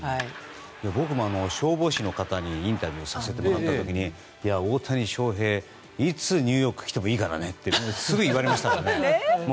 僕も消防士の方にインタビューさせてもらった時に大谷翔平はいつニューヨークに来てもいいからねってすぐ言われましたから。